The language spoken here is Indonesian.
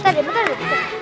tadi bentar dulu